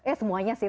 eh semuanya sih